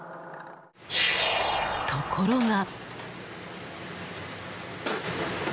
ところが。